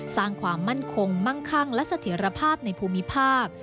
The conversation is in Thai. สร้างความมั่นคงมั่งคั่งและเสถียรภาพในภูมิภาค